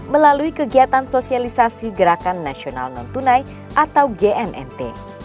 melalui kegiatan sosialisasi gerakan nasional non tunai atau gmnt